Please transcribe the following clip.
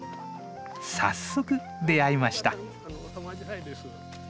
早速出会いました。